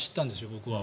僕は。